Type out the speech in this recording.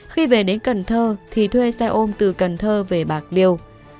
khi về đến cần thơ thì thuê xe ôm từ cần thơ về bạc liêu